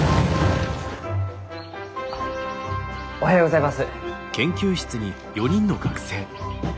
おはようございます。